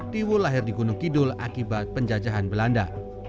tiwul lahir di gunung kidul akibat penjajahan belanda